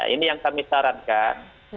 ini yang kami sarankan